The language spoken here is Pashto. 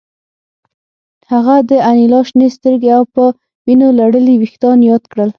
هغه د انیلا شنې سترګې او په وینو لړلي ویښتان یاد کړل